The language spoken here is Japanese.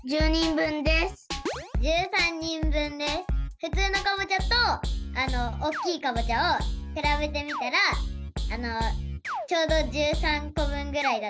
ふつうのカボチャとおっきいカボチャをくらべてみたらちょうど１３こぶんぐらいだったので。